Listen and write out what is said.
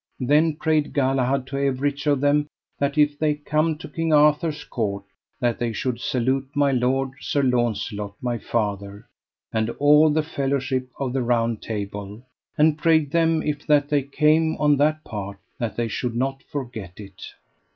Then prayed Galahad to everych of them, that if they come to King Arthur's court that they should salute my lord, Sir Launcelot, my father, and all them of the Round Table; and prayed them if that they came on that part that they should not forget it.